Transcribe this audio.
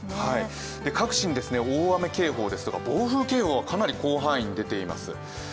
各地に大雨警報ですとか暴風警報がかなり広範囲に出ています。